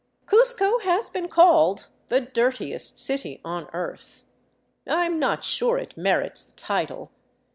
Cuzco has been called the dirtiest city on earth. I am not sure it merits the title.